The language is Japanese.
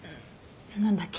何だっけ？